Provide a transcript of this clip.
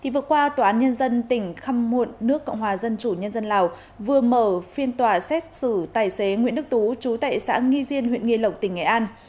vừa qua tòa án nhân dân tỉnh khăm muộn nước cộng hòa dân chủ nhân dân lào vừa mở phiên tòa xét xử tài xế nguyễn đức tú trú tại xã nghi diên huyện nghi lộc tỉnh nghệ an